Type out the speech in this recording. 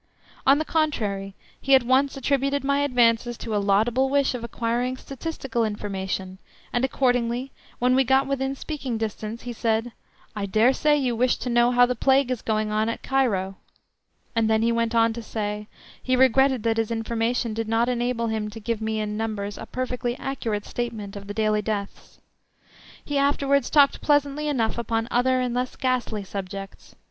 On the contrary, he at once attributed my advances to a laudable wish of acquiring statistical information, and accordingly, when we got within speaking distance, he said, "I dare say you wish to know how the plague is going on at Cairo?" And then he went on to say, he regretted that his information did not enable him to give me in numbers a perfectly accurate statement of the daily deaths. He afterwards talked pleasantly enough upon other and less ghastly subjects.